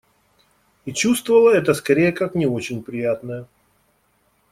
И чувствовала это скорее как не очень приятное.